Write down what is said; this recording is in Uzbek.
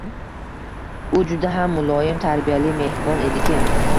U juda ham muloyim, tarbiyali, mehribon ediki